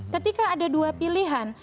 ketika ada dua pilihan